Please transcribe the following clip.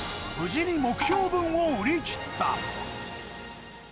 無事に目標分を売りきった。